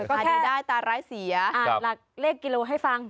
ก็แค่อ่านหลักเลขกิโลให้ฟัง